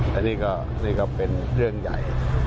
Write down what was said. แต่นี่ก็เป็นเรื่องใหญ่